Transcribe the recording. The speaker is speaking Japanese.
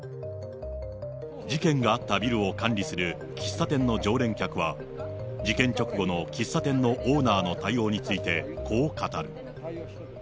事件があったビルを管理する喫茶店の常連客は、事件直後の喫茶店のオーナーの対応について、こう語る。